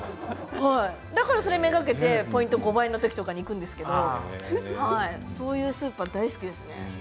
だからそれをめがけてポイント５倍のときに行くんですけどもそういうスーパー大好きですね。